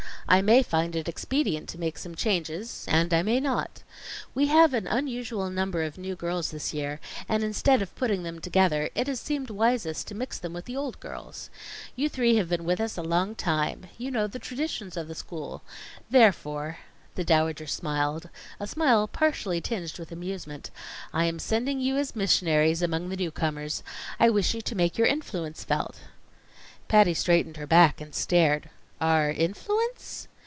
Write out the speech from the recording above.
"I may find it expedient to make some changes, and I may not. We have an unusual number of new girls this year; and instead of putting them together, it has seemed wisest to mix them with the old girls. You three have been with us a long time. You know the traditions of the school. Therefore " The Dowager smiled, a smile partially tinged with amusement "I am sending you as missionaries among the newcomers. I wish you to make your influence felt." Patty straightened her back and stared. "Our influence?"